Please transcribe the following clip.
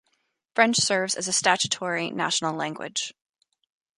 French serves as a statutory national language.